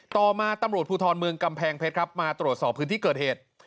ต่อมาตำรวจภูทรเมืองกำแพงเพชรครับมาตรวจสอบพื้นที่เกิดเหตุ